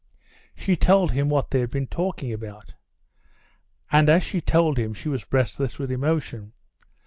She told him what they had been talking about. And as she told him, she was breathless with emotion.